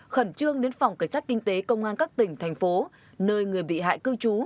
khẩn trương đến phòng cảnh sát kinh tế công an các tỉnh thành phố nơi người bị hại cư trú